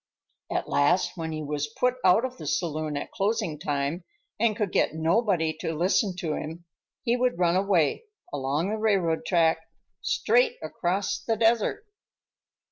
At last, when he was put out of the saloon at closing time, and could get nobody to listen to him, he would run away—along the railroad track, straight across the desert.